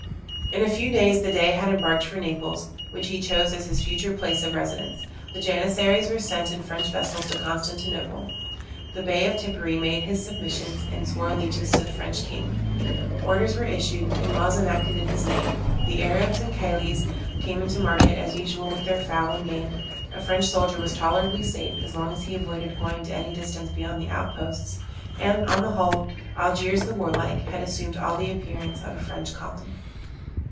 In a few days the Dey had embarked for Naples, which he chose as his future place of residence; the Janissaries were sent in French vessels to Constantinople; the Bey of Tippery made his submissions, and swore allegiance to the French King; orders were issued, and laws enacted in his name; the Arabs and Kalyles came into market as usual with their fowl and game; a French soldier was tolerably safe, as long as he avoided going to any distance beyond the outposts; and, on the whole, Algiers the warlike, had assumed all the appearance of a French colony.